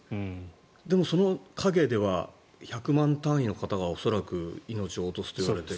でもその陰では１００万単位の方が恐らく命を落とすといわれている。